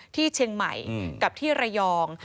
ที่เชียงใหม่กับที่ระยอง